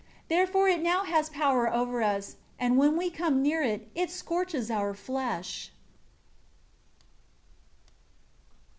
Therefore it now has power over us; and when we come near it, it scorches our flesh."